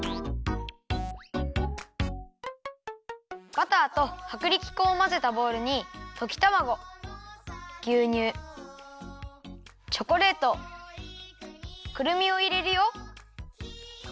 バターとはくりき粉をまぜたボウルにときたまごぎゅうにゅうチョコレートくるみをいれるよ。